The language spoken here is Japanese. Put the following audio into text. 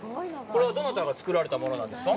これはどなたが作られたものなんですか。